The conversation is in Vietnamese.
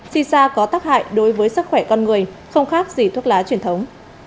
xin ra có tác hại đối với sức khỏe con người không khác gì thuốc lá truyền thống